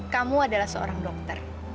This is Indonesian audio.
kamu adalah seorang dokter